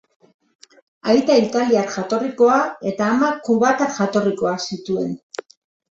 Aita italiar jatorrikoa eta ama kubatar jatorrikoa zituen.